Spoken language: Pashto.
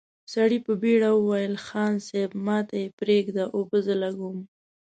سړي په بېړه وويل: خان صيب، ماته يې پرېږده، اوبه زه لګوم!